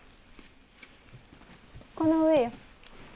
この上よ。